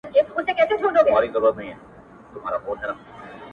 چي د ښـكلا خبري پټي ساتي-